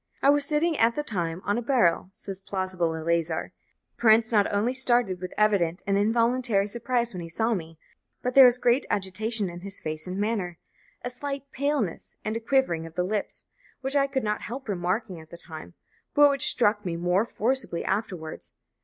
"I was sitting at the time on a barrel," says plausible Eleazar; "the prince not only started with evident and involuntary surprise when he saw me, but there was great agitation in his face and manner a slight paleness and a quivering of the lips which I could not help remarking at the time, but which struck me more forcibly afterwards